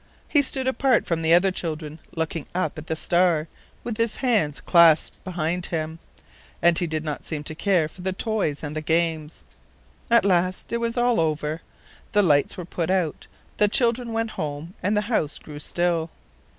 He stood apart from the other children, looking up at the star, with his hands clasped behind him, and he did not seem to care for the toys and the games. At last it was all over. The lights were put out, the children went home, and the house grew still.